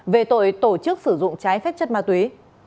về tội tổ chức sử dụng trái phép chất ma túy